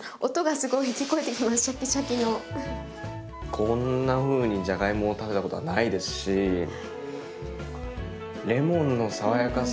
こんなふうにじゃがいもを食べたことはないですしレモンの爽やかさ。